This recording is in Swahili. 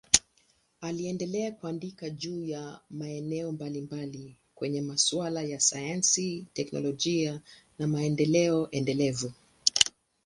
Aliendelea kuandika juu ya maeneo mbalimbali kwenye masuala ya sayansi, teknolojia na maendeleo endelevu.